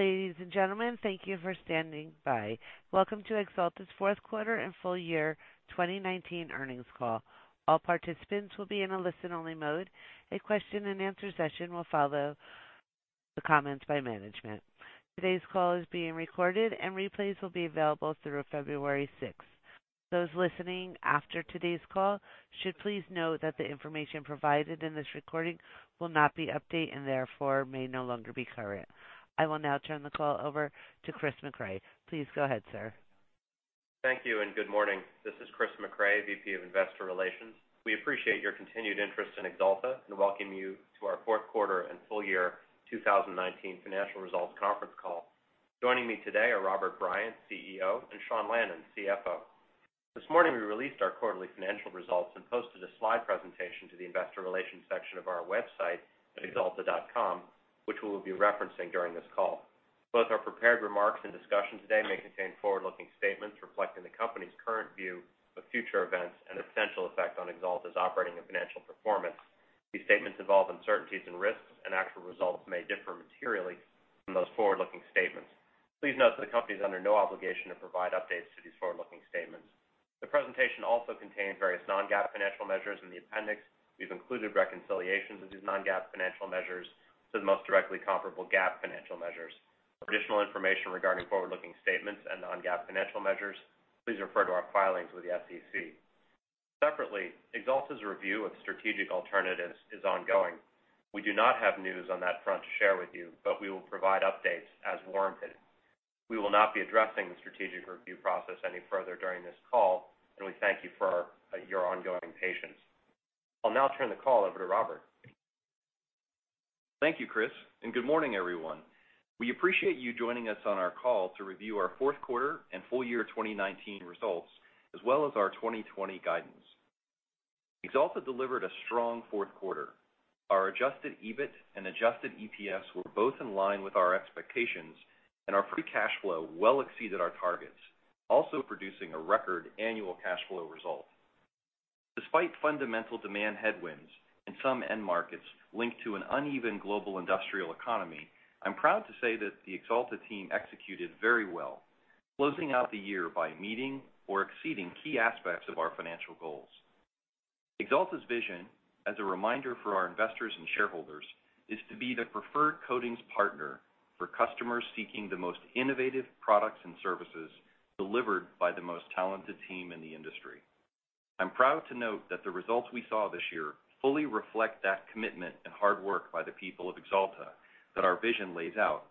Ladies and gentlemen, thank you for standing by. Welcome to Axalta's fourth quarter and full-year 2019 earnings call. All participants will be in a listen-only mode. A question-and-answer session will follow the comments by management. Today's call is being recorded and replays will be available through February 6th. Those listening after today's call should please note that the information provided in this recording will not be updated, and therefore, may no longer be current. I will now turn the call over to Chris Mecray. Please go ahead, sir. Thank you. Good morning. This is Christopher Mecray, Vice President of Investor Relations. We appreciate your continued interest in Axalta and welcome you to our fourth quarter and full-year 2019 financial results conference call. Joining me today are Robert Bryant, CEO, and Sean Lannon, CFO. This morning, we released our quarterly financial results and posted a slide presentation to the investor relations section of our website at axalta.com, which we will be referencing during this call. Both our prepared remarks and discussion today may contain forward-looking statements reflecting the company's current view of future events and their potential effect on Axalta's operating and financial performance. These statements involve uncertainties and risks. Actual results may differ materially from those forward-looking statements. Please note that the company is under no obligation to provide updates to these forward-looking statements. The presentation also contains various non-GAAP financial measures. In the appendix, we've included reconciliations of these non-GAAP financial measures to the most directly comparable GAAP financial measures. For additional information regarding forward-looking statements and non-GAAP financial measures, please refer to our filings with the SEC. Separately, Axalta's review of strategic alternatives is ongoing. We do not have news on that front to share with you. We will provide updates as warranted. We will not be addressing the strategic review process any further during this call. We thank you for your ongoing patience. I'll now turn the call over to Robert. Thank you, Chris, and good morning, everyone. We appreciate you joining us on our call to review our fourth quarter and full-year 2019 results, as well as our 2020 guidance. Axalta delivered a strong fourth quarter. Our adjusted EBIT and adjusted EPS were both in line with our expectations, and our free cash flow well exceeded our targets, also producing a record annual cash flow result. Despite fundamental demand headwinds in some end markets linked to an uneven global industrial economy, I'm proud to say that the Axalta team executed very well, closing out the year by meeting or exceeding key aspects of our financial goals. Axalta's vision, as a reminder for our investors and shareholders, is to be the preferred coatings partner for customers seeking the most innovative products and services delivered by the most talented team in the industry. I'm proud to note that the results we saw this year fully reflect that commitment and hard work by the people of Axalta that our vision lays out,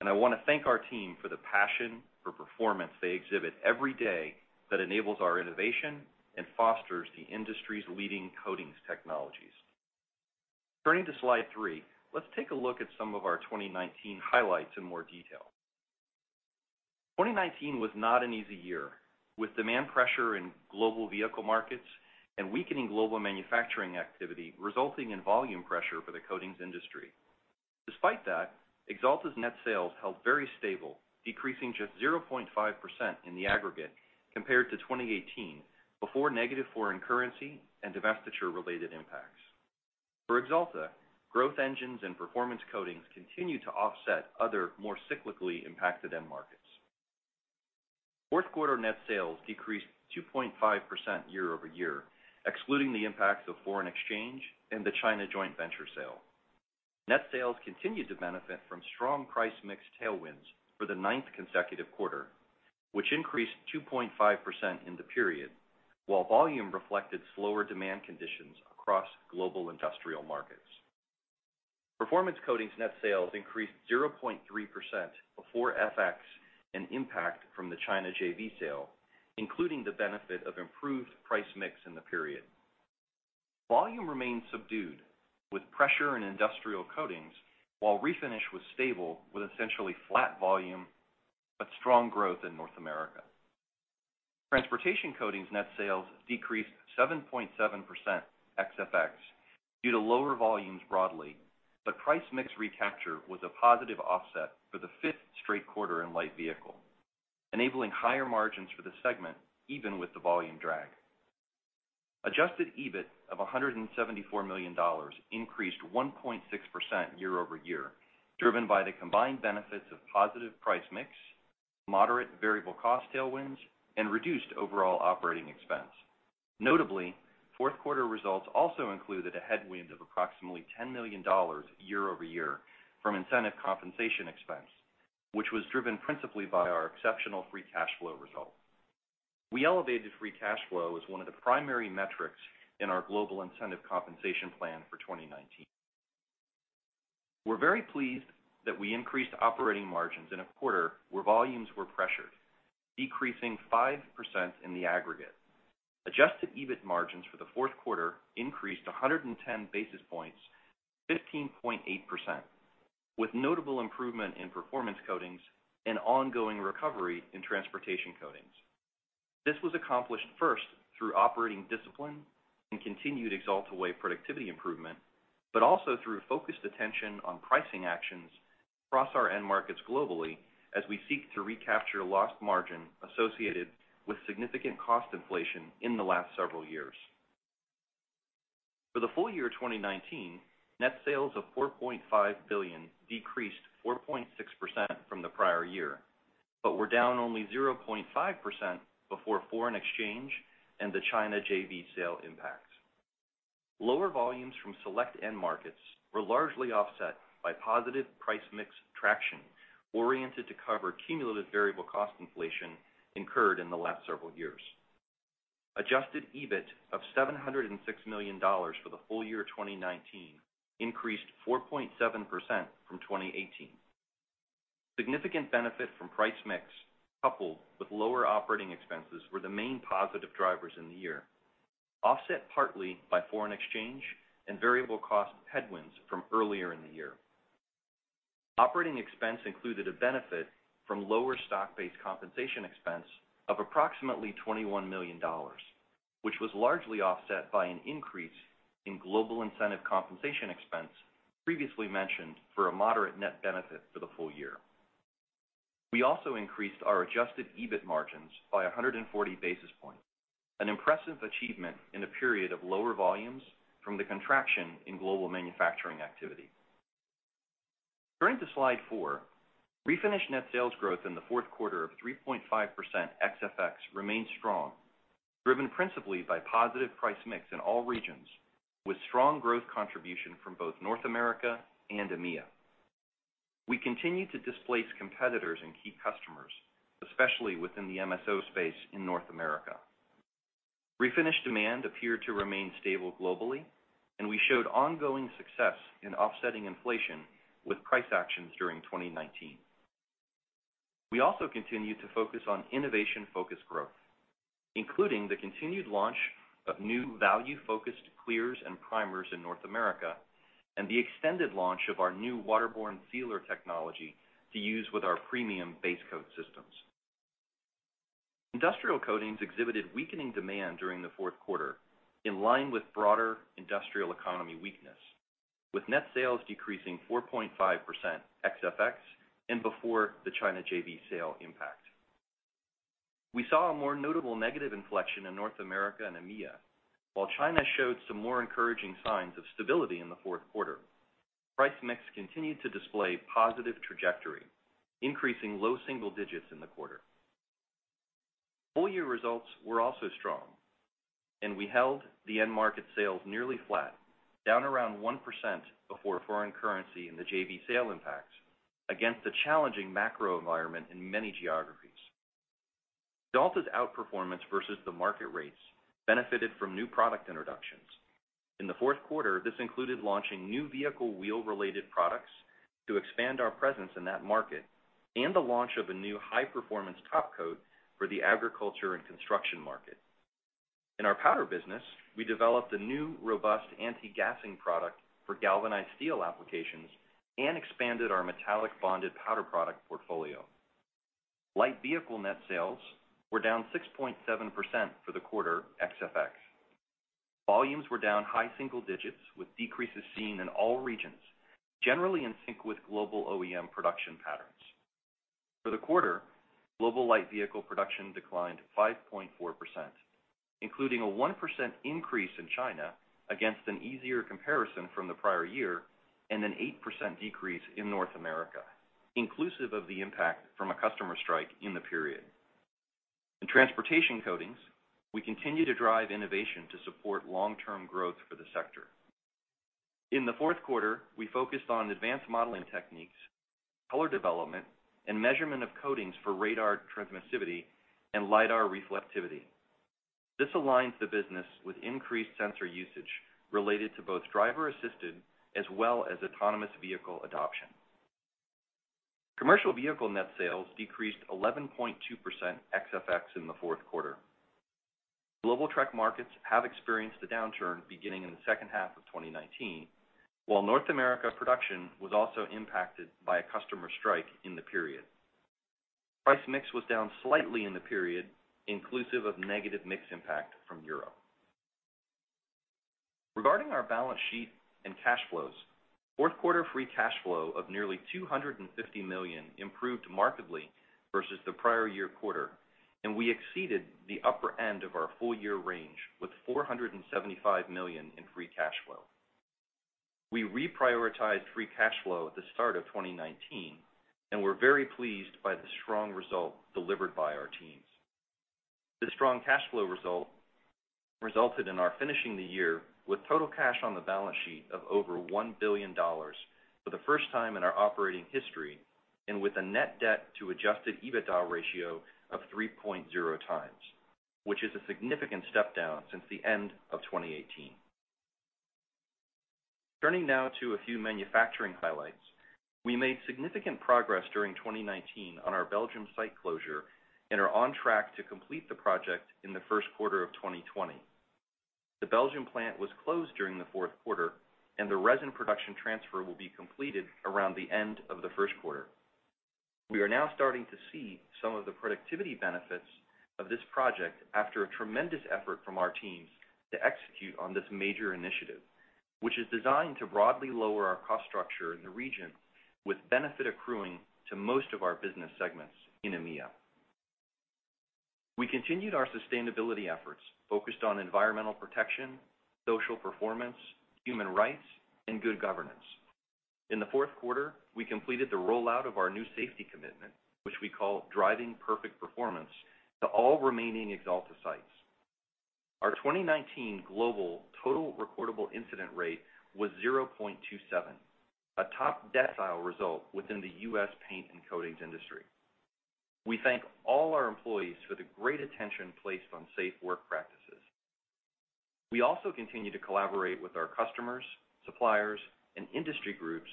and I want to thank our team for the passion for performance they exhibit every day that enables our innovation and fosters the industry's leading coatings technologies. Turning to slide three, let's take a look at some of our 2019 highlights in more detail. 2019 was not an easy year, with demand pressure in global vehicle markets and weakening global manufacturing activity resulting in volume pressure for the coatings industry. Despite that, Axalta's net sales held very stable, decreasing just 0.5% in the aggregate compared to 2018, before negative foreign currency and divestiture-related impacts. For Axalta, growth engines and Performance Coatings continue to offset other, more cyclically impacted end markets. Fourth quarter net sales decreased 2.5% year-over-year, excluding the impacts of foreign exchange and the China joint venture sale. Net sales continued to benefit from strong price mix tailwinds for the ninth consecutive quarter, which increased 2.5% in the period, while volume reflected slower demand conditions across global industrial markets. Performance Coatings' net sales increased 0.3% before FX and impact from the China JV sale, including the benefit of improved price mix in the period. Volume remained subdued, with pressure in industrial coatings, while refinish was stable with essentially flat volume, but strong growth in North America. Mobility Coatings' net sales decreased 7.7% ex FX due to lower volumes broadly, but price mix recapture was a positive offset for the fifth straight quarter in light vehicle, enabling higher margins for the segment, even with the volume drag. Adjusted EBIT of $174 million increased 1.6% year-over-year, driven by the combined benefits of positive price mix, moderate variable cost tailwinds, and reduced overall operating expense. Notably, fourth quarter results also included a headwind of approximately $10 million year over year from incentive compensation expense, which was driven principally by our exceptional free cash flow result. We elevated free cash flow as one of the primary metrics in our global incentive compensation plan for 2019. We're very pleased that we increased operating margins in a quarter where volumes were pressured, decreasing 5% in the aggregate. Adjusted EBIT margins for the fourth quarter increased 110 basis points to 15.8%, with notable improvement in Performance Coatings and ongoing recovery in Transportation Coatings. This was accomplished first through operating discipline and continued Axalta Way productivity improvement, but also through focused attention on pricing actions across our end markets globally as we seek to recapture lost margin associated with significant cost inflation in the last several years. For the full-year 2019, net sales of $4.5 billion decreased 4.6% from the prior year, but were down only 0.5% before foreign exchange and the China JV sale impact. Lower volumes from select end markets were largely offset by positive price mix traction oriented to cover cumulative variable cost inflation incurred in the last several years. adjusted EBIT of $706 million for the full-year 2019 increased 4.7% from 2018. Significant benefit from price mix, coupled with lower operating expenses, were the main positive drivers in the year, offset partly by foreign exchange and variable cost headwinds from earlier in the year. Operating expense included a benefit from lower stock-based compensation expense of approximately $21 million, which was largely offset by an increase in global incentive compensation expense previously mentioned for a moderate net benefit for the full-year. We also increased our adjusted EBIT margins by 140 basis points, an impressive achievement in a period of lower volumes from the contraction in global manufacturing activity. Turning to slide four. Refinish net sales growth in the fourth quarter of 3.5% ex FX remained strong, driven principally by positive price mix in all regions, with strong growth contribution from both North America and EMEA. We continue to displace competitors and key customers, especially within the MSO space in North America. Refinish demand appeared to remain stable globally, and we showed ongoing success in offsetting inflation with price actions during 2019. We also continued to focus on innovation-focused growth, including the continued launch of new value-focused clears and primers in North America, and the extended launch of our new waterborne sealer technology to use with our premium base coat systems. industrial coatings exhibited weakening demand during the fourth quarter, in line with broader industrial economy weakness, with net sales decreasing 4.5% ex FX and before the China JV sale impact. We saw a more notable negative inflection in North America and EMEA. While China showed some more encouraging signs of stability in the fourth quarter, price mix continued to display positive trajectory, increasing low single digits in the quarter. Full-year results were also strong, and we held the end market sales nearly flat, down around 1% before foreign currency and the JV sale impacts, against a challenging macro environment in many geographies. Axalta's outperformance versus the market rates benefited from new product introductions. In the fourth quarter, this included launching new vehicle wheel-related products to expand our presence in that market and the launch of a new high-performance topcoat for the agriculture and construction market. In our powder business, we developed a new robust anti-gassing product for galvanized steel applications and expanded our metallic bonded powder product portfolio. Light vehicle net sales were down 6.7% for the quarter ex FX. Volumes were down high single digits with decreases seen in all regions, generally in sync with global OEM production patterns. For the quarter, global light vehicle production declined 5.4%, including a 1% increase in China against an easier comparison from the prior year, and an 8% decrease in North America, inclusive of the impact from a customer strike in the period. In Mobility Coatings, we continue to drive innovation to support long-term growth for the sector. In the fourth quarter, we focused on advanced modeling techniques, color development, and measurement of coatings for radar transmissivity and lidar reflectivity. This aligns the business with increased sensor usage related to both driver-assisted as well as autonomous vehicle adoption. Commercial vehicle net sales decreased 11.2% ex FX in the fourth quarter. Global truck markets have experienced a downturn beginning in the second half of 2019, while North America production was also impacted by a customer strike in the period. Price mix was down slightly in the period, inclusive of negative mix impact from Europe. Regarding our balance sheet and cash flows, fourth quarter free cash flow of nearly $250 million improved markedly versus the prior year quarter, and we exceeded the upper end of our full-year range with $475 million in free cash flow. We reprioritized free cash flow at the start of 2019, and we're very pleased by the strong result delivered by our teams. This strong cash flow result resulted in our finishing the year with total cash on the balance sheet of over $1 billion for the first time in our operating history, and with a net debt to adjusted EBITDA ratio of 3.0x, which is a significant step down since the end of 2018. Turning now to a few manufacturing highlights. We made significant progress during 2019 on our Belgium site closure and are on track to complete the project in the first quarter of 2020. The Belgium plant was closed during the fourth quarter, and the resin production transfer will be completed around the end of the first quarter. We are now starting to see some of the productivity benefits of this project after a tremendous effort from our teams to execute on this major initiative, which is designed to broadly lower our cost structure in the region with benefit accruing to most of our business segments in EMEA. We continued our sustainability efforts focused on environmental protection, social performance, human rights, and good governance. In the fourth quarter, we completed the rollout of our new safety commitment, which we call Driving Perfect Performance, to all remaining Axalta sites. Our 2019 global total recordable incident rate was 0.27, a top decile result within the U.S. paint and coatings industry. We thank all our employees for the great attention placed on safe work practices. We also continue to collaborate with our customers, suppliers, and industry groups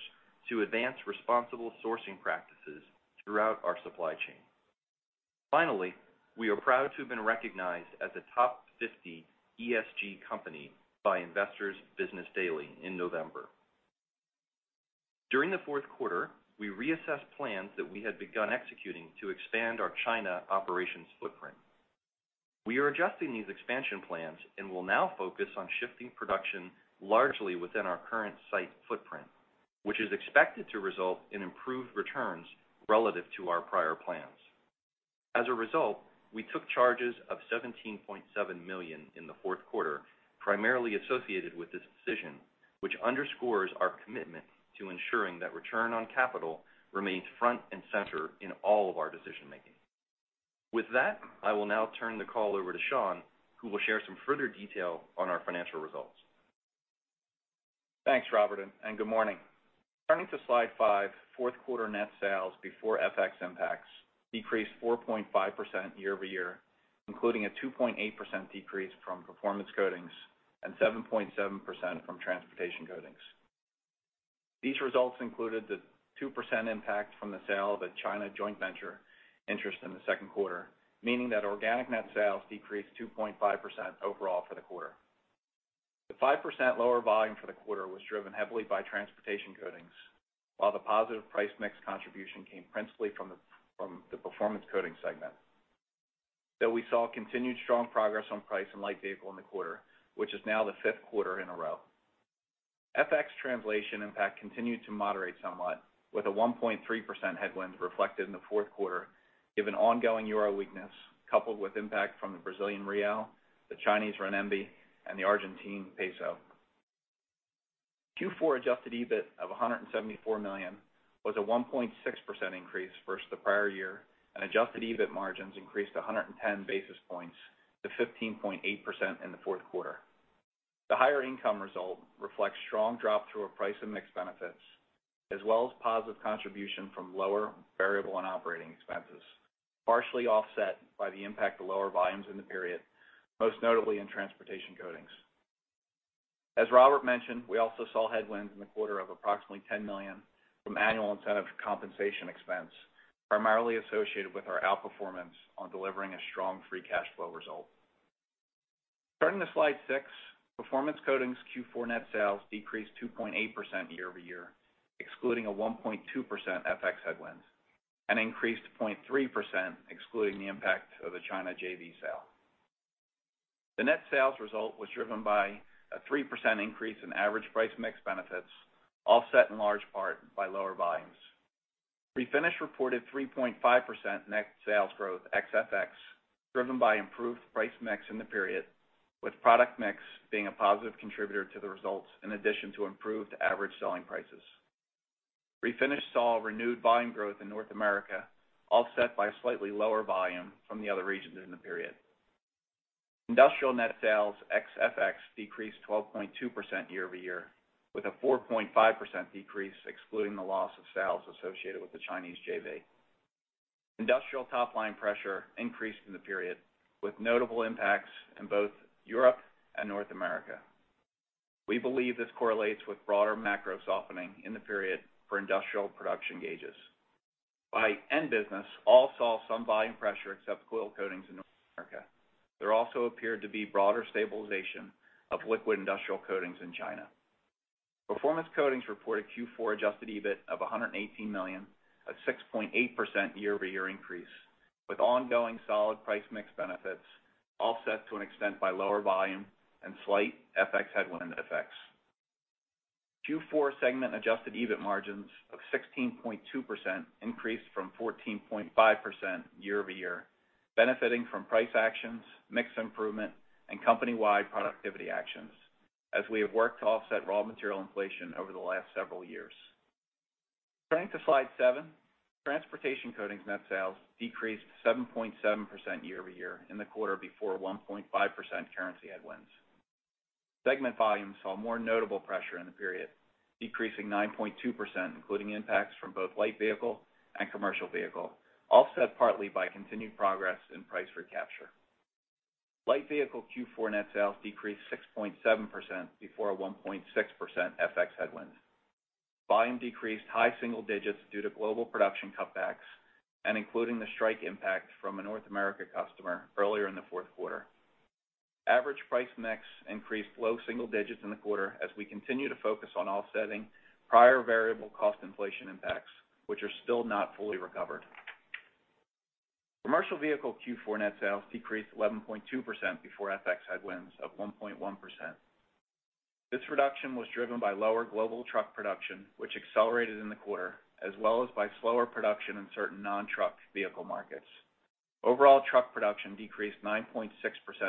to advance responsible sourcing practices throughout our supply chain. Finally, we are proud to have been recognized as a top 50 ESG company by Investor's Business Daily in November. During the fourth quarter, we reassessed plans that we had begun executing to expand our China operations footprint. We are adjusting these expansion plans and will now focus on shifting production largely within our current site footprint, which is expected to result in improved returns relative to our prior plans. As a result, we took charges of $17.7 million in the fourth quarter, primarily associated with this decision, which underscores our commitment to ensuring that return on capital remains front and center in all of our decision-making. With that, I will now turn the call over to Sean, who will share some further detail on our financial results. Thanks, Robert, and good morning. Turning to slide five, fourth quarter net sales before FX impacts decreased 4.5% year-over-year, including a 2.8% decrease from Performance Coatings and 7.7% from Transportation Coatings. These results included the 2% impact from the sale of the China joint venture interest in the second quarter, meaning that organic net sales decreased 2.5% overall for the quarter. The 5% lower volume for the quarter was driven heavily by Transportation Coatings, while the positive price mix contribution came principally from the Performance Coatings segment. We saw continued strong progress on price in light vehicle in the quarter, which is now the fifth quarter in a row. FX translation impact continued to moderate somewhat with a 1.3% headwind reflected in the fourth quarter given ongoing euro weakness, coupled with impact from the Brazilian real, the Chinese renminbi, and the Argentine peso. Q4 adjusted EBIT of $174 million was a 1.6% increase versus the prior year. Adjusted EBIT margins increased 110 basis points to 15.8% in the fourth quarter. The higher income result reflects strong drop through our price and mix benefits, as well as positive contribution from lower variable and operating expenses, partially offset by the impact of lower volumes in the period, most notably in Transportation Coatings. As Robert mentioned, we also saw headwinds in the quarter of approximately $10 million from annual incentive compensation expense, primarily associated with our outperformance on delivering a strong free cash flow result. Turning to slide six, Performance Coatings Q4 net sales decreased 2.8% year-over-year, excluding a 1.2% FX headwind. Increased 0.3% excluding the impact of the China JV sale. The net sales result was driven by a 3% increase in average price mix benefits, offset in large part by lower volumes. Refinish reported 3.5% net sales growth ex FX, driven by improved price mix in the period, with product mix being a positive contributor to the results in addition to improved average selling prices. Refinish saw renewed volume growth in North America offset by slightly lower volume from the other regions in the period. Industrial net sales ex FX decreased 12.2% year-over-year, with a 4.5% decrease excluding the loss of sales associated with the China JV. Industrial top-line pressure increased in the period, with notable impacts in both Europe and North America. We believe this correlates with broader macro softening in the period for industrial production gauges. By end business, all saw some volume pressure except coil coatings in North America. There also appeared to be broader stabilization of liquid industrial coatings in China. Performance Coatings reported Q4 adjusted EBIT of $118 million, a 6.8% year-over-year increase, with ongoing solid price mix benefits offset to an extent by lower volume and slight FX headwind effects. Q4 segment adjusted EBIT margins of 16.2% increased from 14.5% year-over-year, benefiting from price actions, mix improvement, and company-wide productivity actions as we have worked to offset raw material inflation over the last several years. Turning to slide seven, Transportation Coatings net sales decreased 7.7% year-over-year in the quarter before 1.5% currency headwinds. Segment volume saw more notable pressure in the period, decreasing 9.2%, including impacts from both light vehicle and commercial vehicle, offset partly by continued progress in price recapture. Light vehicle Q4 net sales decreased 6.7% before a 1.6% FX headwind. Volume decreased high single digits due to global production cutbacks and including the strike impact from a North America customer earlier in the fourth quarter. Average price mix increased low single digits in the quarter as we continue to focus on offsetting prior variable cost inflation impacts, which are still not fully recovered. Commercial vehicle Q4 net sales decreased 11.2% before FX headwinds of 1.1%. This reduction was driven by lower global truck production, which accelerated in the quarter, as well as by slower production in certain non-truck vehicle markets. Overall truck production decreased 9.6%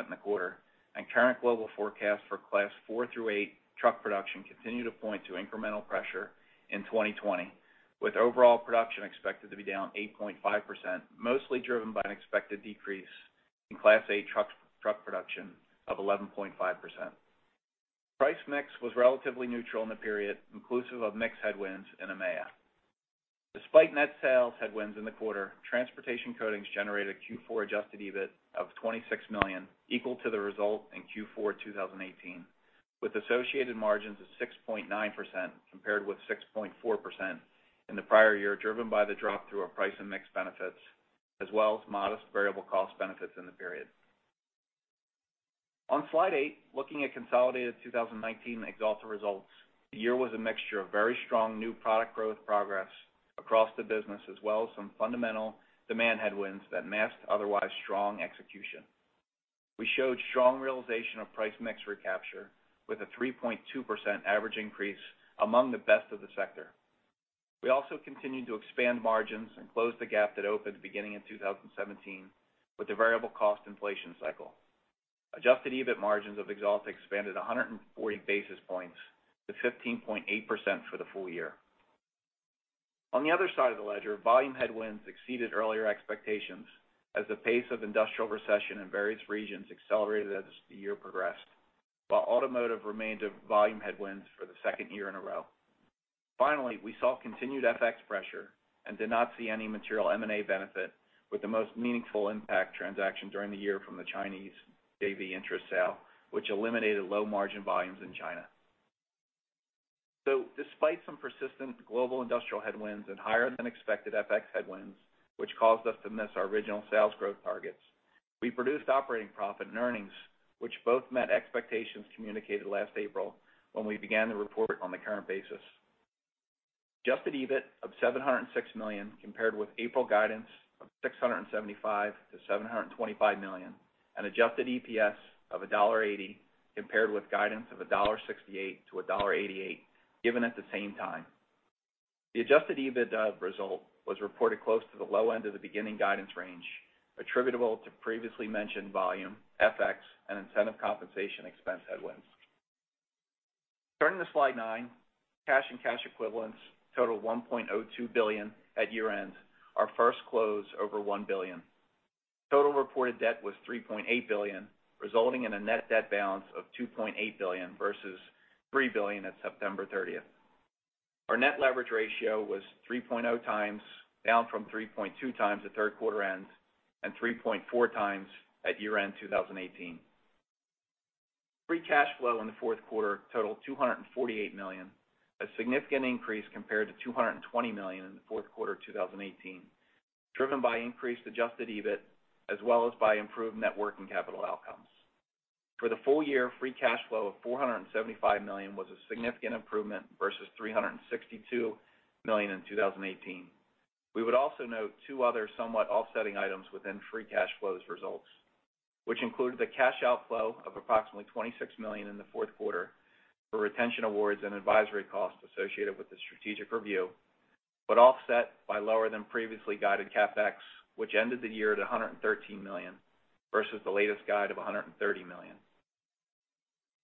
in the quarter, and current global forecast for class 4 through 8 truck production continue to point to incremental pressure in 2020, with overall production expected to be down 8.5%, mostly driven by an expected decrease in class A truck production of 11.5%. Price mix was relatively neutral in the period, inclusive of mix headwinds in EMEA. Despite net sales headwinds in the quarter, Transportation Coatings generated a Q4 adjusted EBIT of $26 million, equal to the result in Q4 2018, with associated margins of 6.9%, compared with 6.4% in the prior year, driven by the drop through our price and mix benefits, as well as modest variable cost benefits in the period. On slide eight, looking at consolidated 2019 Axalta results, the year was a mixture of very strong new product growth progress across the business, as well as some fundamental demand headwinds that masked otherwise strong execution. We showed strong realization of price mix recapture with a 3.2% average increase, among the best of the sector. We also continued to expand margins and close the gap that opened beginning in 2017 with the variable cost inflation cycle. Adjusted EBIT margins of Axalta expanded 140 basis points to 15.8% for the full-year. On the other side of the ledger, volume headwinds exceeded earlier expectations as the pace of industrial recession in various regions accelerated as the year progressed, while automotive remained a volume headwinds for the second year in a row. We saw continued FX pressure and did not see any material M&A benefit with the most meaningful impact transaction during the year from the China JV interest sale, which eliminated low-margin volumes in China. Despite some persistent global industrial headwinds and higher than expected FX headwinds, which caused us to miss our original sales growth targets, we produced operating profit and earnings, which both met expectations communicated last April when we began the report on the current basis. Adjusted EBIT of $706 million, compared with April guidance of $675 million-$725 million, and Adjusted EPS of $1.80, compared with guidance of $1.68-$1.88 given at the same time. The Adjusted EBITDA result was reported close to the low end of the beginning guidance range, attributable to previously mentioned volume, FX, and incentive compensation expense headwinds. Turning to slide nine, cash and cash equivalents total $1.02 billion at year-end, our first close over $1 billion. Total reported debt was $3.8 billion, resulting in a net debt balance of $2.8 billion versus $3 billion at September 30th. Our net leverage ratio was 3.0 times, down from 3.2 times at third quarter end, and 3.4x at year-end 2018. Free cash flow in the fourth quarter totaled $248 million, a significant increase compared to $220 million in the fourth quarter of 2018, driven by increased adjusted EBIT as well as by improved net working capital outcomes. For the full-year, free cash flow of $475 million was a significant improvement versus $362 million in 2018. We would also note two other somewhat offsetting items within free cash flows results, which included the cash outflow of approximately $26 million in the fourth quarter for retention awards and advisory costs associated with the strategic review, but offset by lower than previously guided CapEx, which ended the year at $113 million, versus the latest guide of $130 million.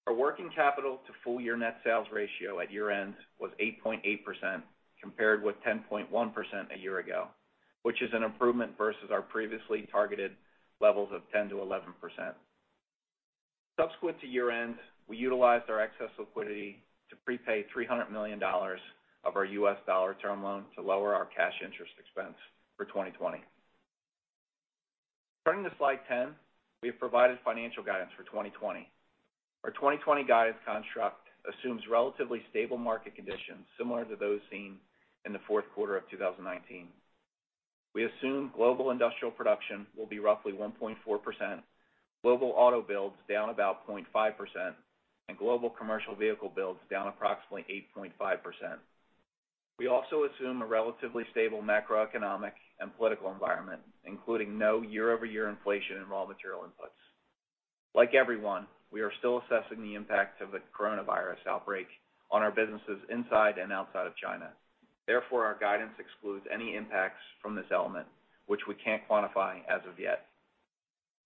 Our working capital to full-year net sales ratio at year-end was 8.8%, compared with 10.1% a year ago, which is an improvement versus our previously targeted levels of 10%-11%. Subsequent to year-end, we utilized our excess liquidity to prepay $300 million of our US dollar term loan to lower our cash interest expense for 2020. Turning to slide 10, we have provided financial guidance for 2020. Our 2020 guidance construct assumes relatively stable market conditions similar to those seen in the fourth quarter of 2019. We assume global industrial production will be roughly 1.4%, global auto builds down about 0.5%, and global commercial vehicle builds down approximately 8.5%. We also assume a relatively stable macroeconomic and political environment, including no year-over-year inflation in raw material inputs. Like everyone, we are still assessing the impact of the coronavirus outbreak on our businesses inside and outside of China. Our guidance excludes any impacts from this element, which we can't quantify as of yet.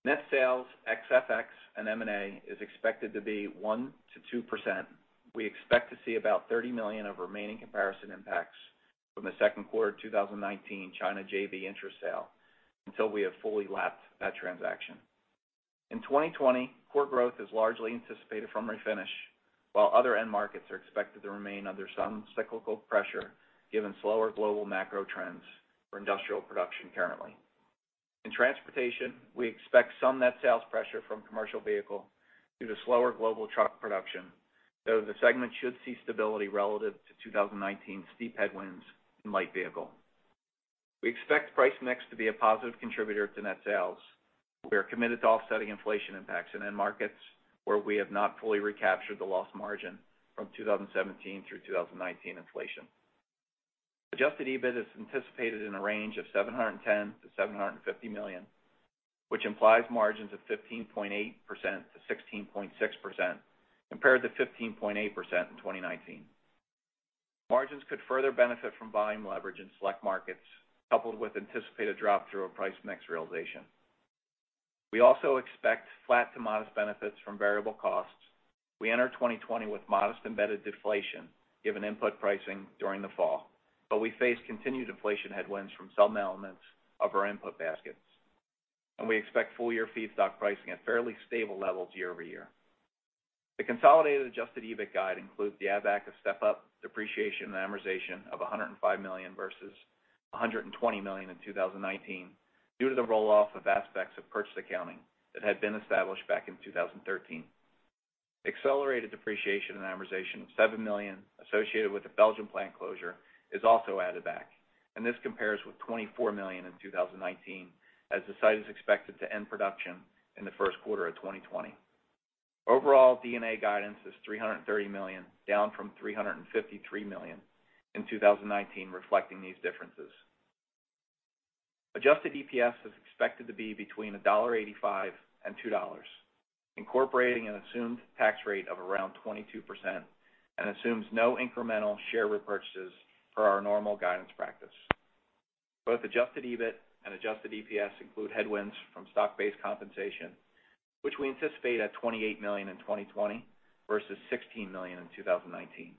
Net sales ex FX and M&A is expected to be 1%-2%. We expect to see about $30 million of remaining comparison impacts from the second quarter 2019 China JV interest sale until we have fully lapped that transaction. In 2020, core growth is largely anticipated from Refinish, while other end markets are expected to remain under some cyclical pressure given slower global macro trends for industrial production currently. In Transportation, we expect some net sales pressure from commercial vehicle due to slower global truck production, though the segment should see stability relative to 2019 steep headwinds in light vehicle. We expect price mix to be a positive contributor to net sales. We are committed to offsetting inflation impacts in end markets where we have not fully recaptured the lost margin from 2017 through 2019 inflation. adjusted EBIT is anticipated in a range of $710 million-$750 million, which implies margins of 15.8%-16.6%, compared to 15.8% in 2019. Margins could further benefit from volume leverage in select markets, coupled with anticipated drop through a price mix realization. We also expect flat to modest benefits from variable costs. We enter 2020 with modest embedded deflation given input pricing during the fall, but we face continued inflation headwinds from some elements of our input baskets, and we expect full-year feedstock pricing at fairly stable levels year-over-year. The consolidated adjusted EBIT guide includes the add back of step up depreciation and amortization of $105 million versus $120 million in 2019 due to the roll-off of aspects of purchased accounting that had been established back in 2013. Accelerated depreciation and amortization of $7 million associated with the Belgium plant closure is also added back, and this compares with $24 million in 2019 as the site is expected to end production in the first quarter of 2020. Overall, D&A guidance is $330 million, down from $353 million in 2019, reflecting these differences. adjusted EPS is expected to be between $1.85 and $2, incorporating an assumed tax rate of around 22% and assumes no incremental share repurchases for our normal guidance practice. Both adjusted EBIT and adjusted EPS include headwinds from stock-based compensation, which we anticipate at $28 million in 2020 versus $16 million in 2019.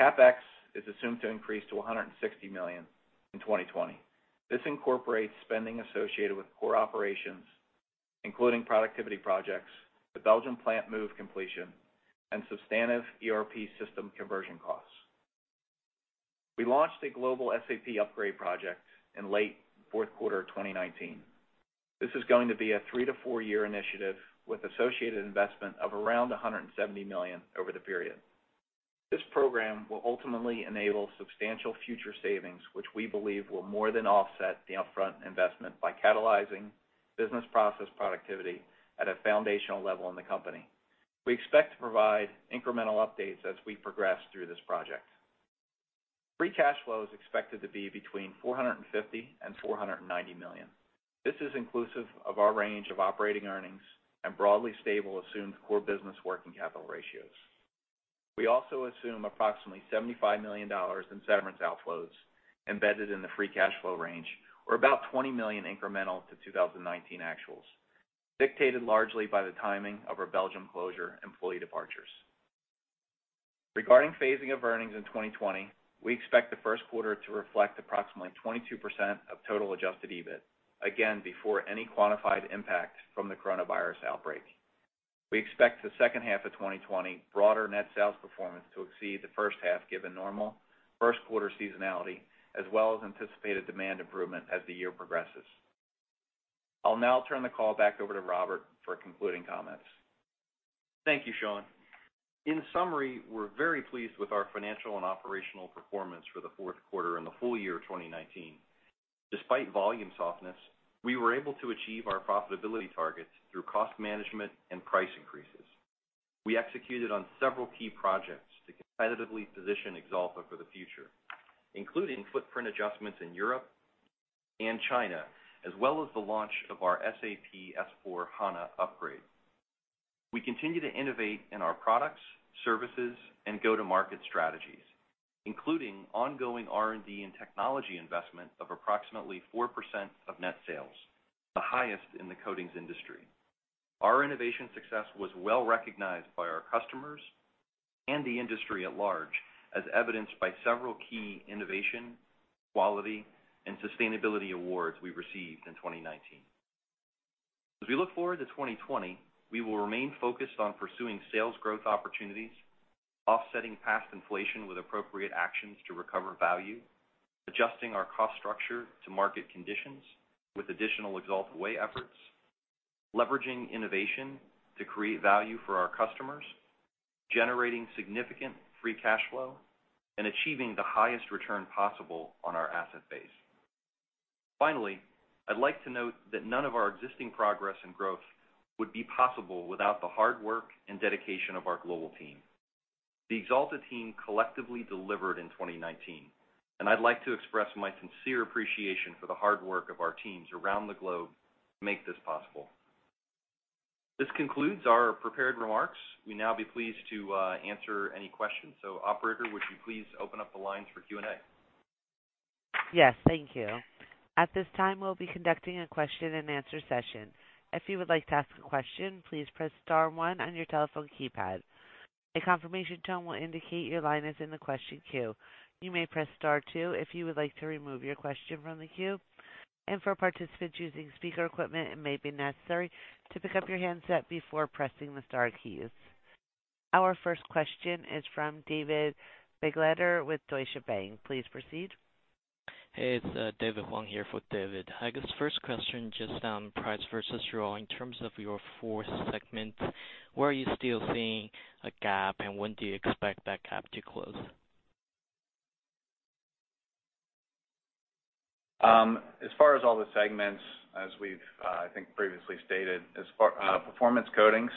CapEx is assumed to increase to $160 million in 2020. This incorporates spending associated with core operations, including productivity projects, the Belgium plant move completion, and substantive ERP system conversion costs. We launched a global SAP upgrade project in late fourth quarter 2019. This is going to be a three to four-year initiative with associated investment of around $170 million over the period. This program will ultimately enable substantial future savings, which we believe will more than offset the upfront investment by catalyzing business process productivity at a foundational level in the company. We expect to provide incremental updates as we progress through this project. Free cash flow is expected to be between $450 million and $490 million. This is inclusive of our range of operating earnings and broadly stable assumed core business working capital ratios. We also assume approximately $75 million in severance outflows embedded in the free cash flow range or about $20 million incremental to 2019 actuals, dictated largely by the timing of our Belgium closure employee departures. Regarding phasing of earnings in 2020, we expect the first quarter to reflect approximately 22% of total adjusted EBIT, again, before any quantified impact from the coronavirus outbreak. We expect the second half of 2020 broader net sales performance to exceed the first half, given normal first quarter seasonality as well as anticipated demand improvement as the year progresses. I'll now turn the call back over to Robert for concluding comments. Thank you, Sean. In summary, we're very pleased with our financial and operational performance for the fourth quarter and the full-year 2019. Despite volume softness, we were able to achieve our profitability targets through cost management and price increases. We executed on several key projects to competitively position Axalta for the future, including footprint adjustments in Europe and China, as well as the launch of our SAP S/4HANA upgrade. We continue to innovate in our products, services, and go-to-market strategies, including ongoing R&D and technology investment of approximately 4% of net sales, the highest in the coatings industry. Our innovation success was well recognized by our customers and the industry at large, as evidenced by several key innovation, quality, and sustainability awards we received in 2019. As we look forward to 2020, we will remain focused on pursuing sales growth opportunities, offsetting past inflation with appropriate actions to recover value, adjusting our cost structure to market conditions with additional Axalta Way 2 efforts, leveraging innovation to create value for our customers, generating significant free cash flow, and achieving the highest return possible on our asset base. Finally, I'd like to note that none of our existing progress and growth would be possible without the hard work and dedication of our global team. The Axalta team collectively delivered in 2019, and I'd like to express my sincere appreciation for the hard work of our teams around the globe to make this possible. This concludes our prepared remarks. We now be pleased to answer any questions. Operator, would you please open up the lines for Q&A? Yes. Thank you. At this time, we will be conducting a question-and-answer session. If you would like to ask a question, please press star one on your telephone keypad. A confirmation tone will indicate your line is in the question queue. You may press star two if you would like to remove your question from the queue, and for participants using speaker equipment, it may be necessary to pick up your handset before pressing the star keys. Our first question is from David Begleiter with Deutsche Bank. Please proceed. Hey, it's David Huang here for David. I guess first question, just on price versus raw in terms of your fourth segment, where are you still seeing a gap, and when do you expect that gap to close? As far as all the segments, as we've, I think previously stated, Performance Coatings,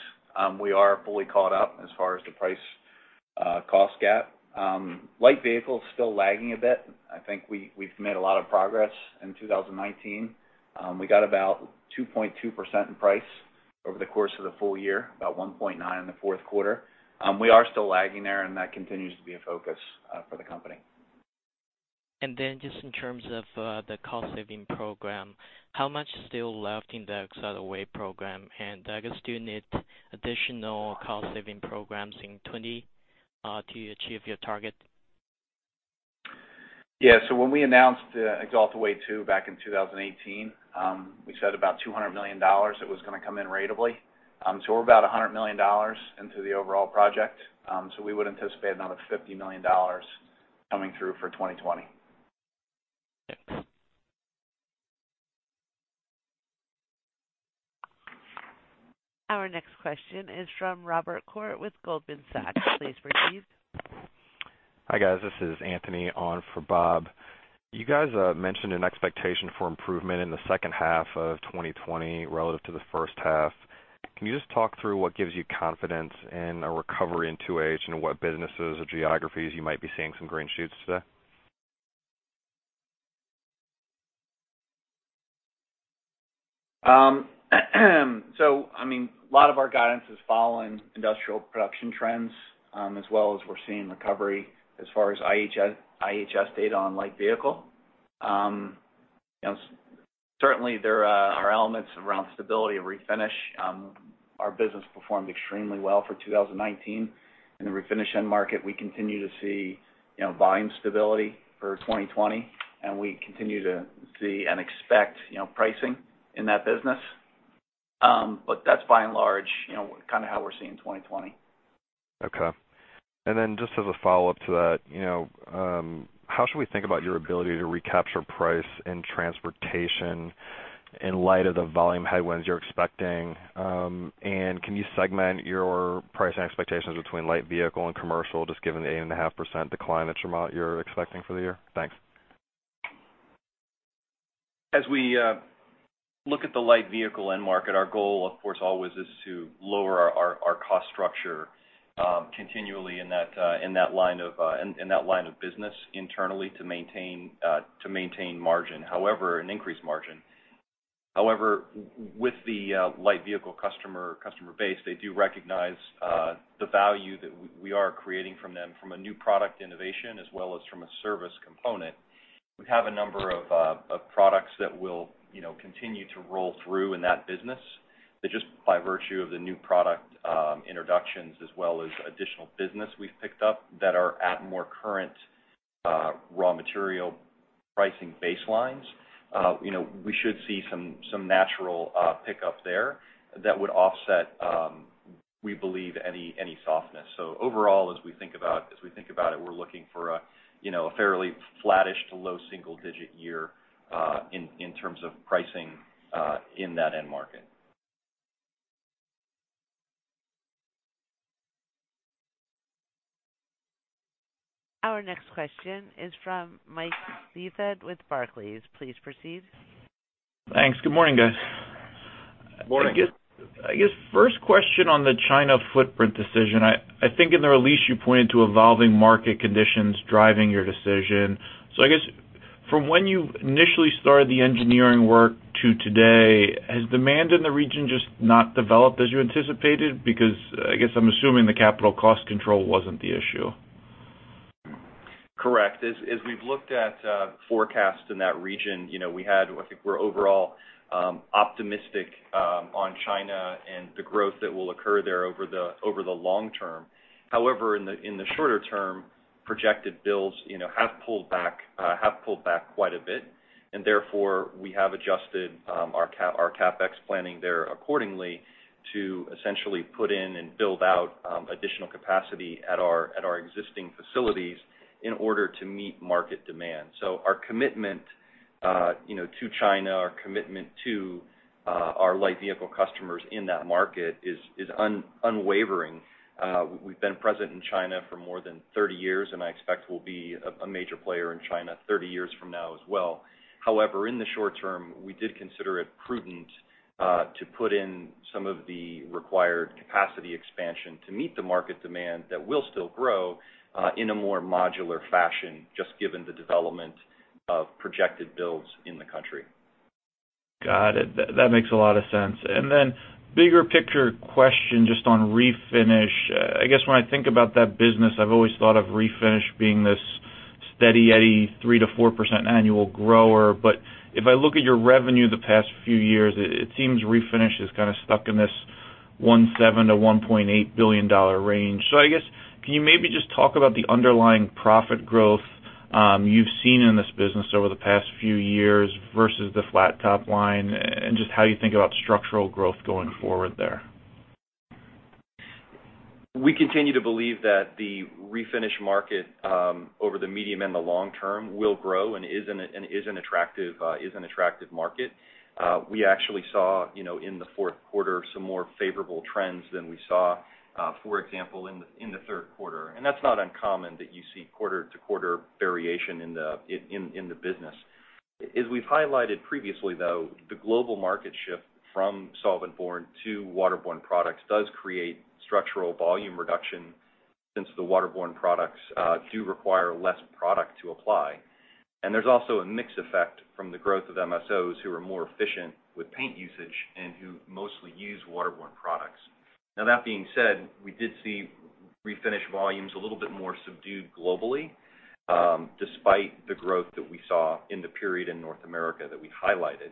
we are fully caught up as far as the price cost gap. Light Vehicle is still lagging a bit. I think we've made a lot of progress in 2019. We got about 2.2% in price over the course of the full-year, about 1.9% in the fourth quarter. We are still lagging there, and that continues to be a focus for the company. Just in terms of the cost saving program, how much is still left in the Axalta Way program? I guess, do you need additional cost saving programs in 2020 to achieve your target? Yeah. When we announced the Axalta Way 2 back in 2018, we said about $200 million that was going to come in ratably. We're about $100 million into the overall project. We would anticipate another $50 million coming through for 2020. Thanks. Our next question is from Robert Koort with Goldman Sachs. Please proceed. Hi, guys. This is Anthony on for Bob. You guys mentioned an expectation for improvement in the second half of 2020 relative to the first half. Can you just talk through what gives you confidence in a recovery in 2H, and what businesses or geographies you might be seeing some green shoots today? A lot of our guidance has fallen, industrial production trends, as well as we're seeing recovery as far as IHS data on light vehicle. Certainly, there are elements around stability of refinish. Our business performed extremely well for 2019. In the refinish end market, we continue to see volume stability for 2020, and we continue to see and expect pricing in that business. That's by and large, kind of how we're seeing 2020. Okay. Just as a follow-up to that, how should we think about your ability to recapture price in transportation in light of the volume headwinds you're expecting? Can you segment your price and expectations between light vehicle and commercial, just given the 8.5% decline that you're expecting for the year? Thanks. We look at the light vehicle end market, our goal, of course, always is to lower our cost structure continually in that line of business internally to maintain margin, however, and increase margin. With the light vehicle customer base, they do recognize the value that we are creating from them from a new product innovation as well as from a service component. We have a number of products that will continue to roll through in that business. They're just by virtue of the new product introductions, as well as additional business we've picked up that are at more current raw material pricing baselines. We should see some natural pickup there that would offset, we believe, any softness. Overall, as we think about it, we're looking for a fairly flattish to low single digit year in terms of pricing in that end market. Our next question is from Mike Leithead with Barclays. Please proceed. Thanks. Good morning, guys. Morning. I guess, first question on the China footprint decision. I think in the release you pointed to evolving market conditions driving your decision. I guess, from when you initially started the engineering work to today, has demand in the region just not developed as you anticipated? I guess I'm assuming the capital cost control wasn't the issue. Correct. As we've looked at forecasts in that region, I think we're overall optimistic on China and the growth that will occur there over the long-term. In the shorter term, projected builds have pulled back quite a bit, and therefore, we have adjusted our CapEx planning there accordingly to essentially put in and build out additional capacity at our existing facilities in order to meet market demand. Our commitment to China, our commitment to our light vehicle customers in that market is unwavering. We've been present in China for more than 30 years, and I expect we'll be a major player in China 30 years from now as well. However, in the short term, we did consider it prudent to put in some of the required capacity expansion to meet the market demand that will still grow in a more modular fashion, just given the development of projected builds in the country. Got it. That makes a lot of sense. Then bigger picture question just on Refinish. I guess when I think about that business, I've always thought of Refinish being this steady Eddie 3%-4% annual grower. If I look at your revenue the past few years, it seems Refinish is kind of stuck in this $1.7 billion-$1.8 billion range. I guess, can you maybe just talk about the underlying profit growth you've seen in this business over the past few years versus the flat top line, and just how you think about structural growth going forward there? We continue to believe that the Refinish market, over the medium and the long term, will grow and is an attractive market. We actually saw, in the fourth quarter, some more favorable trends than we saw, for example, in the third quarter. That's not uncommon that you see quarter to quarter variation in the business. As we've highlighted previously, though, the global market shift from solvent-borne to waterborne products does create structural volume reduction since the waterborne products do require less product to apply. There's also a mix effect from the growth of MSOs who are more efficient with paint usage and who mostly use waterborne products. That being said, we did see refinish volumes a little bit more subdued globally, despite the growth that we saw in the period in North America that we highlighted.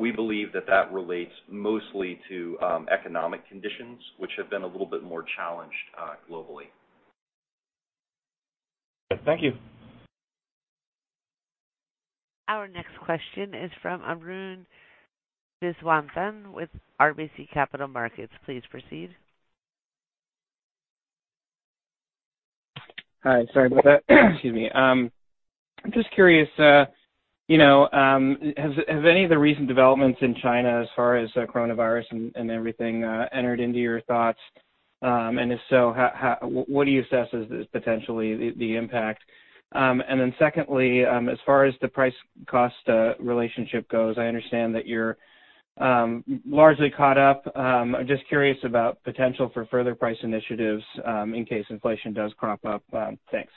We believe that relates mostly to economic conditions, which have been a little bit more challenged globally. Thank you. Our next question is from Arun Viswanathan with RBC Capital Markets. Please proceed. Hi. Sorry about that. Excuse me. I'm just curious, has any of the recent developments in China as far as coronavirus and everything entered into your thoughts? If so, what do you assess is potentially the impact? Secondly, as far as the price cost relationship goes, I understand that you're largely caught up. I'm just curious about potential for further price initiatives in case inflation does crop up. Thanks.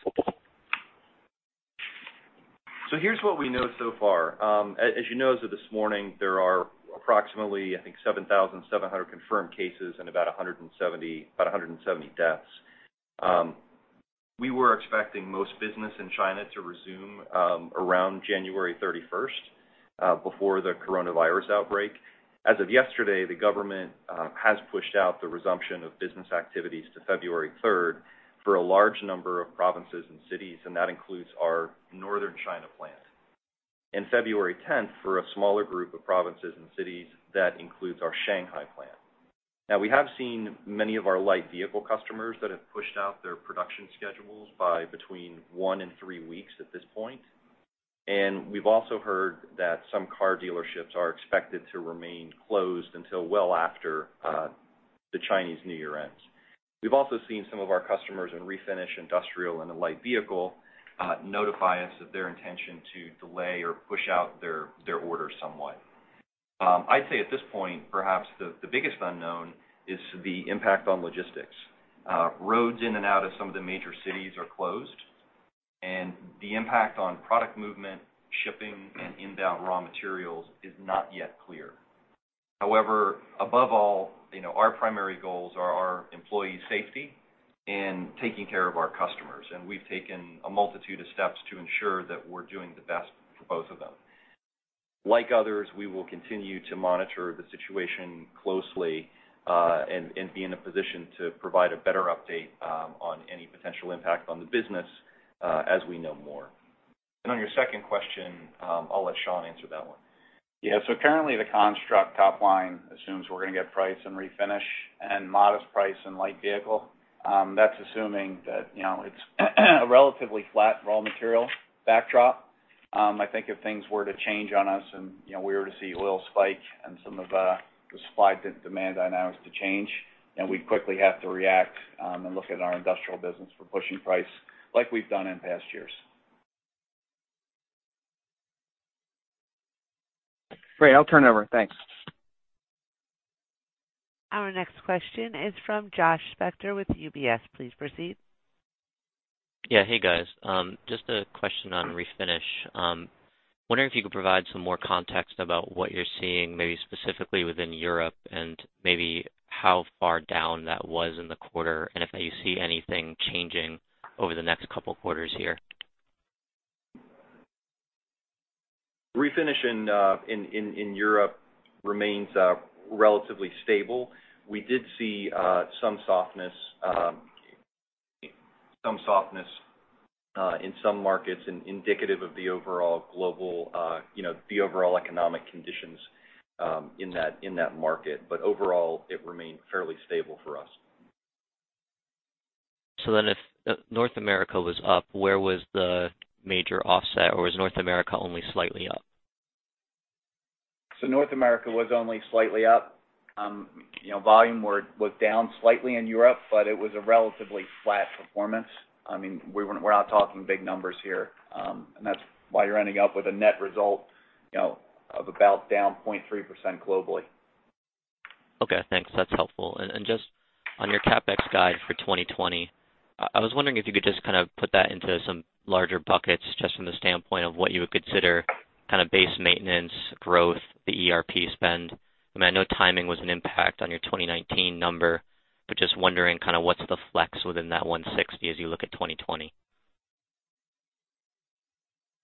Here's what we know so far. As you know, as of this morning, there are approximately, I think, 7,700 confirmed cases and about 170 deaths. We were expecting most business in China to resume around January 31st, before the coronavirus outbreak. As of yesterday, the government has pushed out the resumption of business activities to February 3rd for a large number of provinces and cities, and that includes our Northern China plant. February 10th for a smaller group of provinces and cities, that includes our Shanghai plant. We have seen many of our light vehicle customers that have pushed out their production schedules by between one and three weeks at this point. We've also heard that some car dealerships are expected to remain closed until well after the Chinese New Year ends. We've also seen some of our customers in refinish, industrial, and in light vehicle notify us of their intention to delay or push out their order somewhat. I'd say at this point, perhaps the biggest unknown is the impact on logistics. Roads in and out of some of the major cities are closed, and the impact on product movement, shipping, and inbound raw materials is not yet clear. However, above all, our primary goals are our employees' safety and taking care of our customers, and we've taken a multitude of steps to ensure that we're doing the best for both of them. Like others, we will continue to monitor the situation closely, and be in a position to provide a better update on any potential impact on the business as we know more. On your second question, I'll let Sean answer that one. Yeah. Currently, the construct top line assumes we're going to get price in refinish and modest price in light vehicle. That's assuming that it's a relatively flat raw material backdrop. I think if things were to change on us and we were to see oil spike and some of the supply demand dynamics to change, then we'd quickly have to react and look at our industrial business for pushing price like we've done in past years. Great. I'll turn it over. Thanks. Our next question is from Joshua Spector with UBS. Please proceed. Yeah. Hey, guys. Just a question on refinish. Wondering if you could provide some more context about what you're seeing maybe specifically within Europe and maybe how far down that was in the quarter, and if you see anything changing over the next couple of quarters here. Refinish in Europe remains relatively stable. We did see some softness in some markets indicative of the overall economic conditions in that market. Overall, it remained fairly stable for us. If North America was up, where was the major offset, or was North America only slightly up? North America was only slightly up. Volume was down slightly in Europe, but it was a relatively flat performance. We're not talking big numbers here. That's why you're ending up with a net result of about down 0.3% globally. Okay, thanks. That's helpful. Just on your CapEx guide for 2020, I was wondering if you could just kind of put that into some larger buckets, just from the standpoint of what you would consider base maintenance, growth, the ERP spend. I know timing was an impact on your 2019 number, but just wondering what's the flex within that 160 as you look at 2020?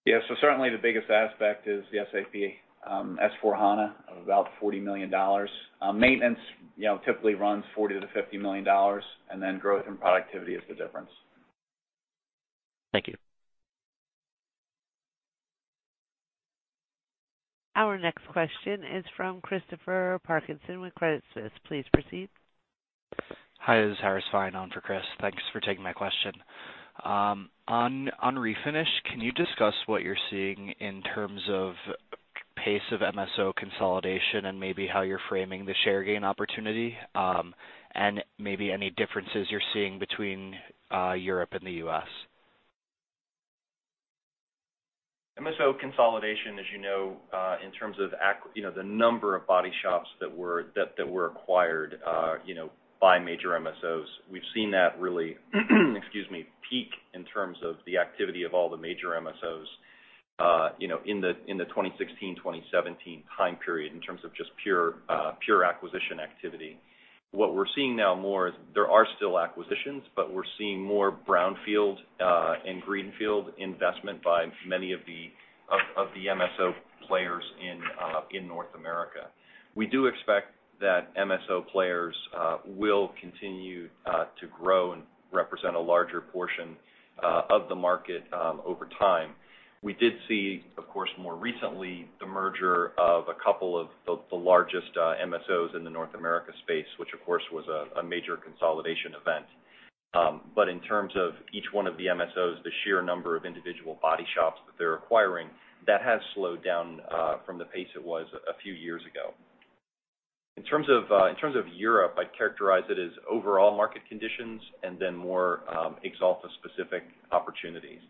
Yeah. Certainly the biggest aspect is the SAP S/4HANA of about $40 million. Maintenance typically runs $40 million-$50 million, and then growth and productivity is the difference. Thank you. Our next question is from Christopher Parkinson with Credit Suisse. Please proceed. Hi, this is Harris Fein on for Chris. Thanks for taking my question. On refinish, can you discuss what you're seeing in terms of pace of MSO consolidation and maybe how you're framing the share gain opportunity, and maybe any differences you're seeing between Europe and the U.S.? MSO consolidation, as you know, in terms of the number of body shops that were acquired by major MSOs, we've seen that really peak in terms of the activity of all the major MSOs in the 2016, 2017 time period, in terms of just pure acquisition activity. What we're seeing now more is there are still acquisitions, but we're seeing more brownfield, and greenfield investment by many of the MSO players in North America. We do expect that MSO players will continue to grow and represent a larger portion of the market over time. We did see, of course, more recently, the merger of a couple of the largest MSOs in the North America space, which of course, was a major consolidation event. In terms of each one of the MSOs, the sheer number of individual body shops that they're acquiring, that has slowed down from the pace it was a few years ago. In terms of Europe, I'd characterize it as overall market conditions and then more Axalta specific opportunities.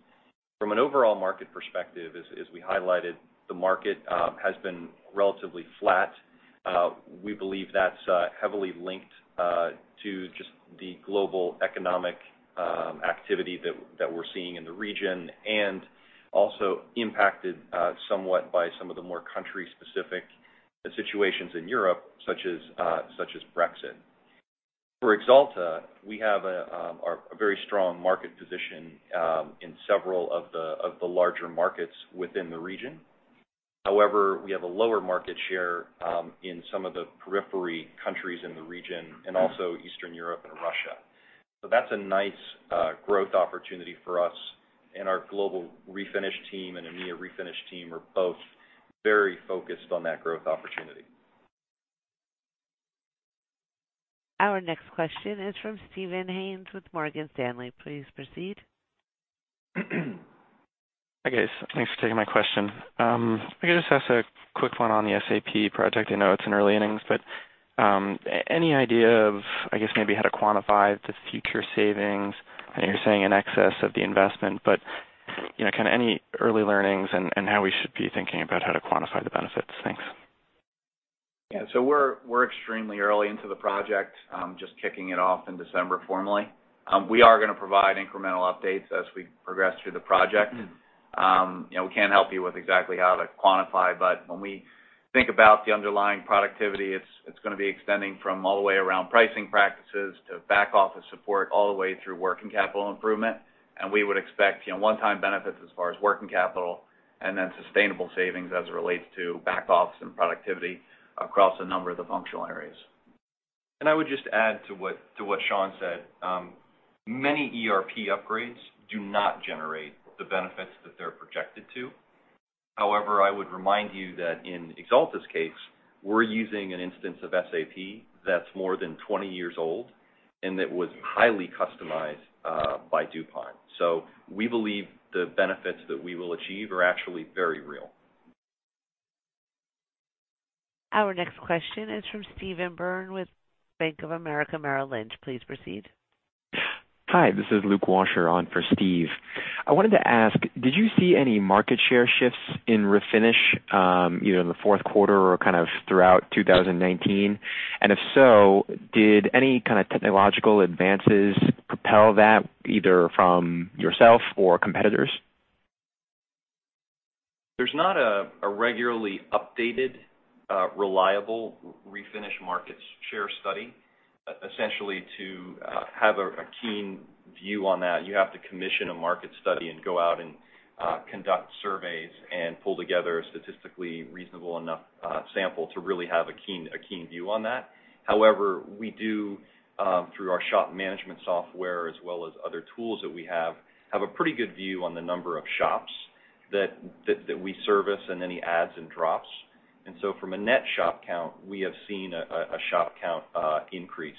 From an overall market perspective, as we highlighted, the market has been relatively flat. We believe that's heavily linked to just the global economic activity that we're seeing in the region, and also impacted somewhat by some of the more country specific situations in Europe, such as Brexit. For Axalta, we have a very strong market position in several of the larger markets within the region. However, we have a lower market share in some of the periphery countries in the region and also Eastern Europe and Russia. That's a nice growth opportunity for us, and our global refinish team and EMEA refinish team are both very focused on that growth opportunity. Our next question is from Steven Haynes with Morgan Stanley. Please proceed. Hi, guys. Thanks for taking my question. If I could just ask a quick one on the SAP project. I know it's in early innings, but any idea of, I guess, maybe how to quantify the future savings? I know you're saying in excess of the investment, but kind of any early learnings and how we should be thinking about how to quantify the benefits? Thanks. Yeah. We're extremely early into the project, just kicking it off in December formally. We are going to provide incremental updates as we progress through the project. We can't help you with exactly how to quantify, but when we think about the underlying productivity, it's going to be extending from all the way around pricing practices to back office support, all the way through working capital improvement, and we would expect one-time benefits as far as working capital and then sustainable savings as it relates to back office and productivity across a number of the functional areas. I would just add to what Sean said. Many ERP upgrades do not generate the benefits that they're projected to. However, I would remind you that in Axalta's case, we're using an instance of SAP that's more than 20 years old, and that was highly customized by DuPont. We believe the benefits that we will achieve are actually very real. Our next question is from Stephen Byrne with Bank of America Merrill Lynch. Please proceed. Hi, this is Lucas Beaumont on for Steve. I wanted to ask, did you see any market share shifts in refinish, either in the fourth quarter or kind of throughout 2019? If so, did any kind of technological advances propel that, either from yourself or competitors? There's not a regularly updated, reliable refinish market share study. Essentially, to have a keen view on that, you have to commission a market study and go out and conduct surveys and pull together a statistically reasonable enough sample to really have a keen view on that. However, we do, through our shop management software as well as other tools that we have a pretty good view on the number of shops that we service and any adds and drops. From a net shop count, we have seen a shop count increase.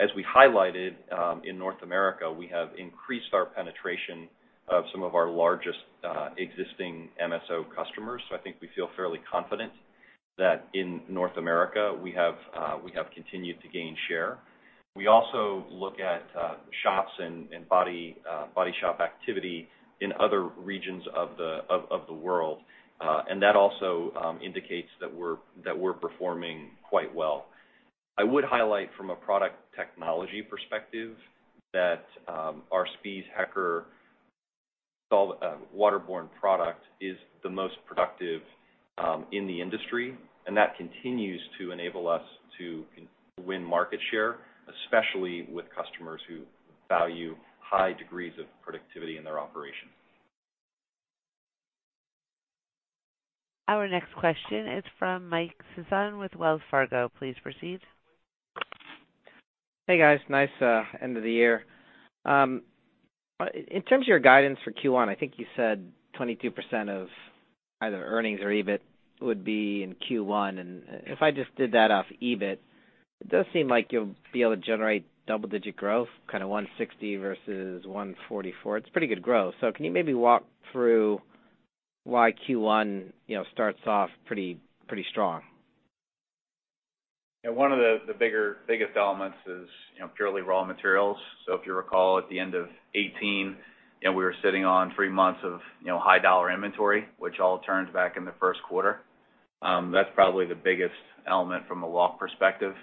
As we highlighted, in North America, we have increased our penetration of some of our largest existing MSO customers. I think we feel fairly confident that in North America, we have continued to gain share. We also look at shops and body shop activity in other regions of the world. That also indicates that we're performing quite well. I would highlight from a product technology perspective that our Spies Hecker waterborne product is the most productive in the industry, and that continues to enable us to win market share, especially with customers who value high degrees of productivity in their operations. Our next question is from Mike Sison with Wells Fargo. Please proceed. Hey, guys. Nice end of the year. In terms of your guidance for Q1, I think you said 22% of either earnings or EBIT would be in Q1. If I just did that off EBIT It does seem like you'll be able to generate double-digit growth, kind of 160 versus 144. It's pretty good growth. Can you maybe walk through why Q1 starts off pretty strong? Yeah, one of the biggest elements is purely raw materials. If you recall, at the end of 2018, we were sitting on three months of high dollar inventory, which all turned back in the first quarter. That's probably the biggest element from a walk perspective.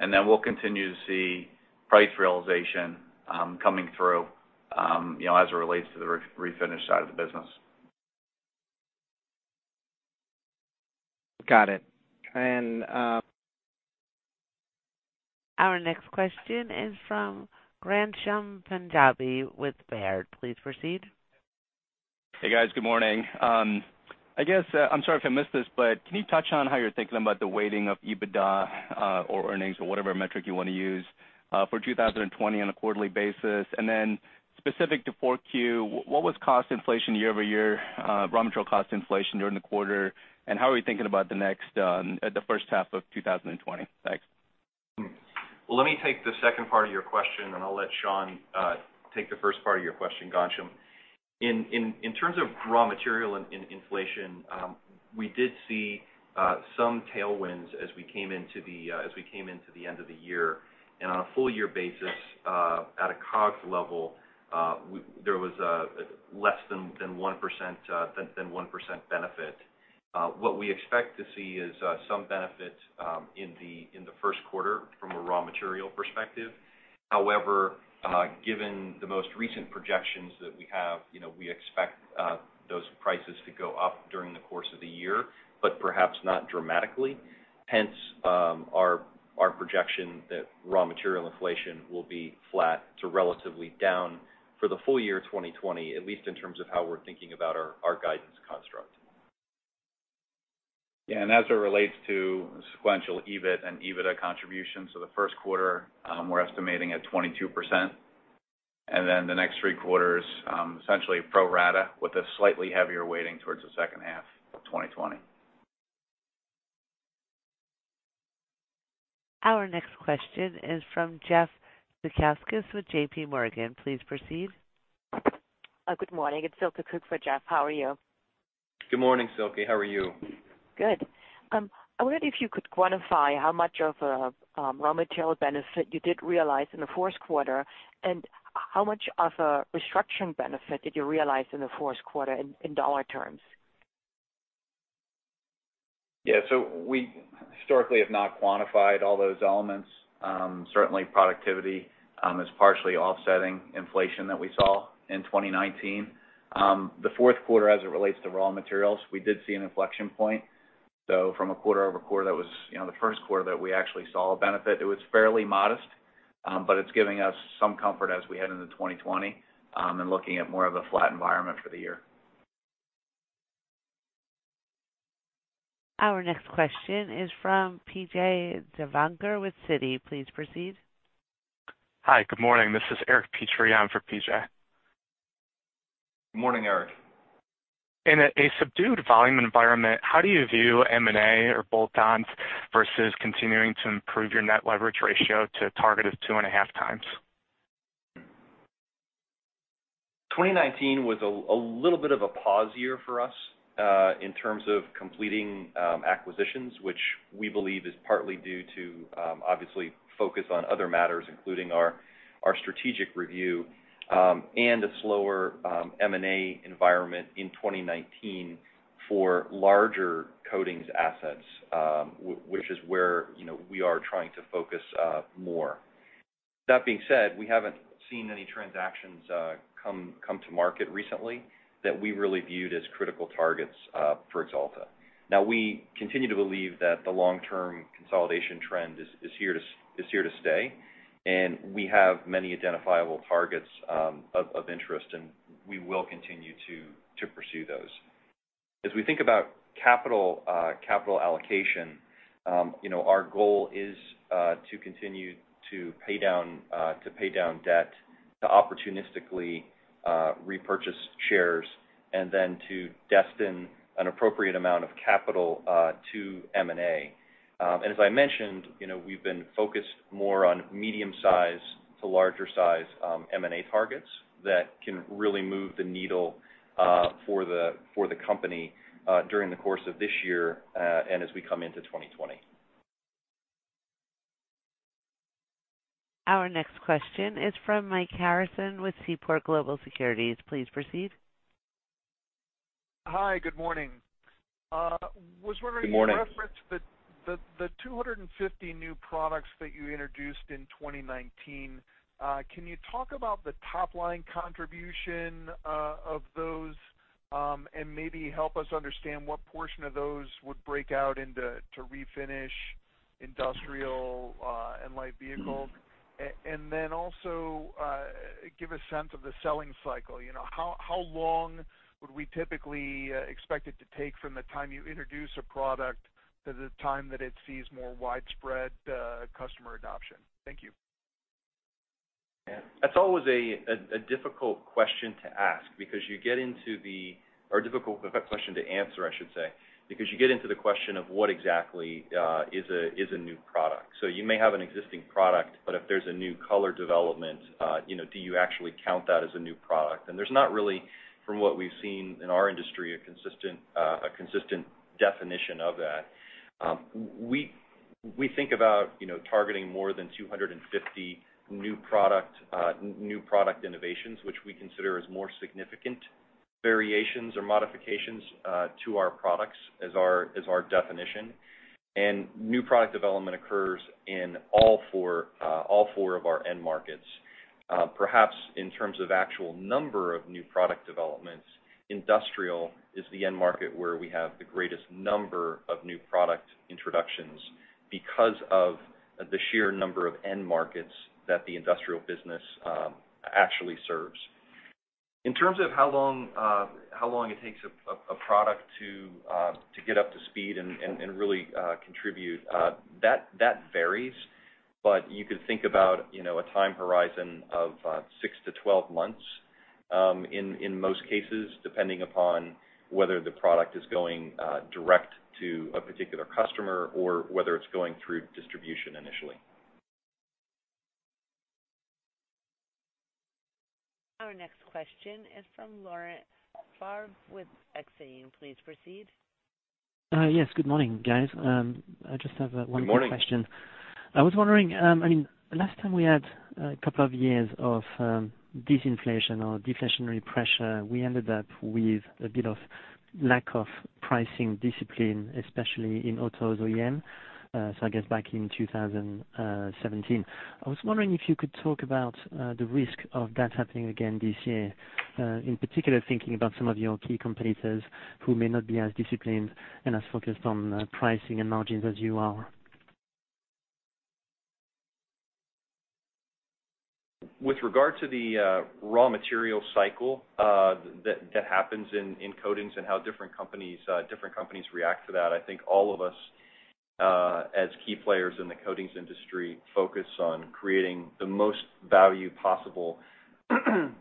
We'll continue to see price realization coming through as it relates to the refinish side of the business. Got it. Our next question is from Ghansham Panjabi with Baird. Please proceed. Hey, guys. Good morning. I guess, I'm sorry if I missed this. Can you touch on how you're thinking about the weighting of EBITDA or earnings or whatever metric you want to use for 2020 on a quarterly basis? Specific to 4Q, what was cost inflation year-over-year, raw material cost inflation during the quarter, and how are we thinking about the next at the first half of 2020? Thanks. Let me take the second part of your question, and I'll let Sean take the first part of your question, Ghansham. In terms of raw material and inflation, we did see some tailwinds as we came into the end of the year. On a full-year basis at a COGS level, there was less than 1% benefit. What we expect to see is some benefit in the first quarter from a raw material perspective. However, given the most recent projections that we have, we expect those prices to go up during the course of the year, but perhaps not dramatically. Hence, our projection that raw material inflation will be flat to relatively down for the full-year 2020, at least in terms of how we're thinking about our guidance construct. Yeah, as it relates to sequential EBIT and EBITDA contributions to the first quarter, we're estimating at 22%. The next three quarters, essentially pro rata with a slightly heavier weighting towards the second half of 2020. Our next question is from Jeff Zekauskas with JPMorgan. Please proceed. Good morning. It's Silke Kueck for Jeff. How are you? Good morning, Silke. How are you? Good. I wondered if you could quantify how much of a raw material benefit you did realize in the fourth quarter, and how much of a restructuring benefit did you realize in the fourth quarter in dollar terms? Yeah. We historically have not quantified all those elements. Certainly, productivity is partially offsetting inflation that we saw in 2019. The fourth quarter, as it relates to raw materials, we did see an inflection point. From a quarter-over-quarter, that was the first quarter that we actually saw a benefit. It was fairly modest, but it's giving us some comfort as we head into 2020, and looking at more of a flat environment for the year. Our next question is from P.J. Juvekar with Citi. Please proceed. Hi, good morning. This is Eric Petrie for P.J. Good morning, Eric. In a subdued volume environment, how do you view M&A or bolt-ons versus continuing to improve your net leverage ratio to a target of two and a half times? 2019 was a little bit of a pause year for us in terms of completing acquisitions, which we believe is partly due to, obviously, focus on other matters, including our strategic review, and a slower M&A environment in 2019 for larger coatings assets, which is where we are trying to focus more. That being said, we haven't seen any transactions come to market recently that we really viewed as critical targets for Axalta. Now, we continue to believe that the long-term consolidation trend is here to stay, and we have many identifiable targets of interest, and we will continue to pursue those. As we think about capital allocation, our goal is to continue to pay down debt, to opportunistically repurchase shares, and then to destine an appropriate amount of capital to M&A. As I mentioned, we've been focused more on medium-size to larger-size M&A targets that can really move the needle for the company during the course of this year and as we come into 2020. Our next question is from Mike Harrison with Seaport Research Partners. Please proceed. Hi, good morning. Good morning. Was wondering if you could reference the 250 new products that you introduced in 2019. Can you talk about the top-line contribution of those, and maybe help us understand what portion of those would break out into refinish, industrial, and light vehicles? Also, give a sense of the selling cycle. How long would we typically expect it to take from the time you introduce a product to the time that it sees more widespread customer adoption? Thank you. That's always a difficult question to ask because you get into the difficult question to answer, I should say, because you get into the question of what exactly is a new product. You may have an existing product, but if there's a new color development, do you actually count that as a new product? There's not really, from what we've seen in our industry, a consistent definition of that. We think about targeting more than 250 new product innovations, which we consider as more significant variations or modifications to our products as our definition. New product development occurs in all four of our end markets. Perhaps in terms of actual number of new product developments, industrial is the end market where we have the greatest number of new product introductions because of the sheer number of end markets that the industrial business actually serves. In terms of how long it takes a product to get up to speed and really contribute, that varies. You could think about a time horizon of 6-12 months in most cases, depending upon whether the product is going direct to a particular customer or whether it's going through distribution initially. Our next question is from Laurent Favre with Exane. Please proceed. Yes. Good morning, guys. I just have one more question. Good morning. I was wondering, last time we had a couple of years of disinflation or deflationary pressure, we ended up with a bit of lack of pricing discipline, especially in autos OEM, so I guess back in 2017. I was wondering if you could talk about the risk of that happening again this year, in particular, thinking about some of your key competitors who may not be as disciplined and as focused on pricing and margins as you are. With regard to the raw material cycle that happens in coatings and how different companies react to that, I think all of us, as key players in the coatings industry, focus on creating the most value possible for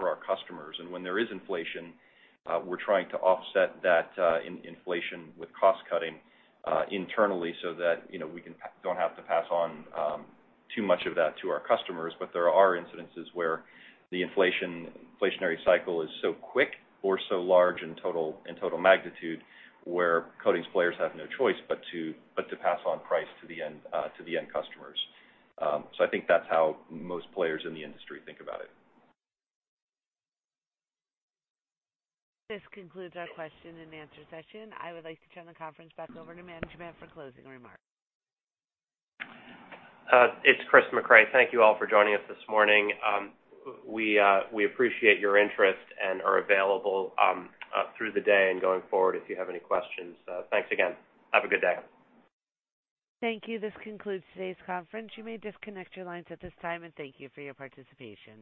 our customers. When there is inflation, we're trying to offset that inflation with cost-cutting internally so that we don't have to pass on too much of that to our customers. There are incidences where the inflationary cycle is so quick or so large in total magnitude, where coatings players have no choice but to pass on price to the end customers. I think that's how most players in the industry think about it. This concludes our question-and-answer session. I would like to turn the conference back over to management for closing remarks. It's Chris Mecray. Thank you all for joining us this morning. We appreciate your interest and are available through the day and going forward if you have any questions. Thanks again. Have a good day. Thank you. This concludes today's conference. You may disconnect your lines at this time, and thank you for your participation.